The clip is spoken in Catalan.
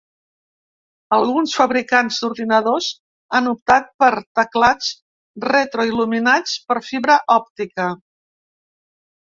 Alguns fabricants d'ordinadors han optat per teclats retroil·luminats per fibra òptica.